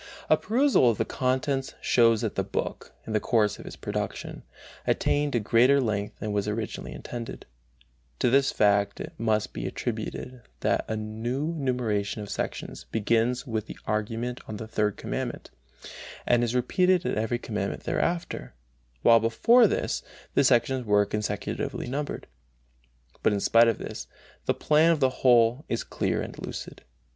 A perusal of the contents shows that the book, in the course of its production, attained a greater length than was originally intended. To this fact it must be attributed that a new numeration of sections begins with the argument on the Third Commandment, and is repeated at every Commandment thereafter, while before this the sections were consecutively numbered. But in spite of this, the plan of the whole is clear and lucid.